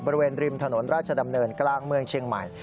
บริเวณริมถนนราชดำเนินกลางเมืองเชียงใหม่